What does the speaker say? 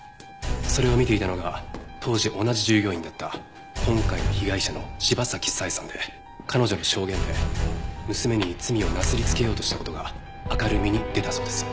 それを見ていたのが当時同じ従業員だった今回の被害者の柴崎佐江さんで彼女の証言で娘に罪をなすりつけようとした事が明るみに出たそうです。